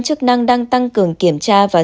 chức năng đang tăng cường kiểm tra và